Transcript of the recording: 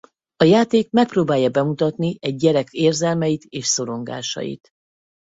A játék megpróbálja bemutatni egy gyerek érzelmeit és szorongásait.